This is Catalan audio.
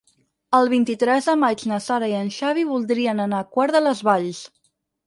El vint-i-tres de maig na Sara i en Xavi voldrien anar a Quart de les Valls.